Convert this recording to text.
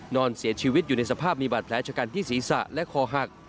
นอนเสียชีวิตอยู่ในสภาพมีบาดแผลชะกันที่ศีรษะและคอหัก